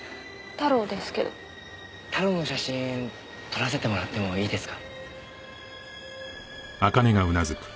タロの写真撮らせてもらってもいいですか？